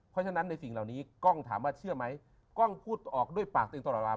เพราะฉะนั้นในสิ่งเหล่านี้กล้องถามว่าเชื่อไหมกล้องพูดออกด้วยปากตึงตลอดว่า